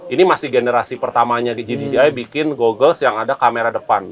ini masih generasi pertamanya di gdi bikin googles yang ada kamera depan